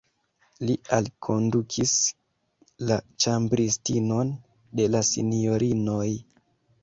Li alkondukis la ĉambristinon de la sinjorinoj.